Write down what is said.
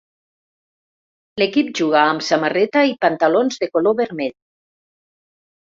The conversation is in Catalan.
L'equip juga amb samarreta i pantalons de color vermell.